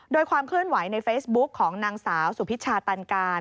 โดยความเคลื่อนไหวในเฟซบุ๊กของนางสาวสุพิชาตันการ